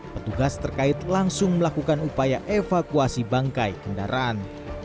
petugas terkait langsung melakukan upaya evakuasi bangkai kendaraan